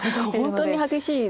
本当に激しいです。